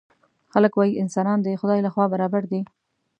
خلک وايي انسانان د خدای له خوا برابر دي.